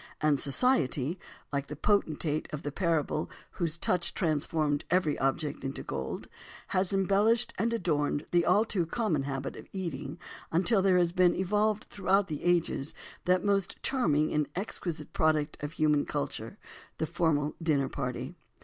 And "society," like the potentate of the parable whose touch transformed every object into gold, has embellished and adorned the all too common habit of eating, until there has been evolved throughout the ages that most charming and exquisite product of human culture—the formal dinner party.